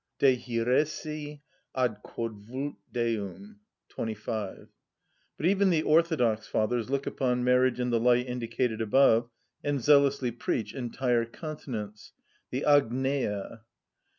_" (De hœresi ad quod vult Deum. hœr., 25.) But even the orthodox Fathers look upon marriage in the light indicated above, and zealously preach entire continence, the ἁγνεια.